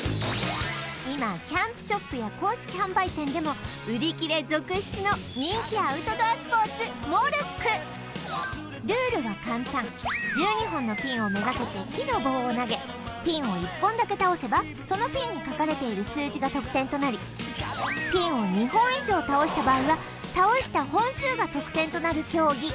今キャンプショップや公式販売店でも売り切れ続出の人気アウトドアスポーツモルックルールは簡単１２本のピンをめがけて木の棒を投げピンを１本だけ倒せばそのピンに書かれている数字が得点となりピンを２本以上倒した場合は倒した本数が得点となる競技